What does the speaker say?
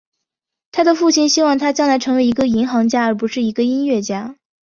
他的父亲希望他将来成为一个银行家而不是一个音乐家。